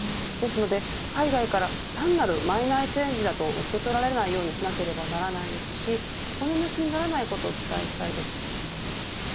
ですので、海外から単なるマイナーチェンジだと受け取られないようにしなければならないですし骨抜きにならないことを期待したいです。